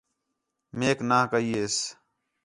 میک نہ کَئی ہِس